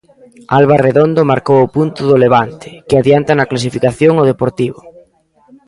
Alba Redondo marcou o punto do Levante, que adianta na clasificación o Deportivo.